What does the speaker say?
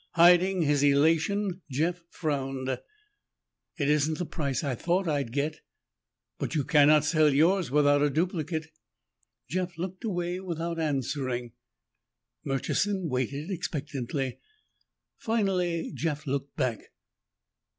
Hiding his elation, Jeff frowned. "It isn't the price I thought I'd get." "But you cannot sell yours without a duplicate?" Jeff looked away without answering. Murchison waited expectantly. Finally Jeff looked back.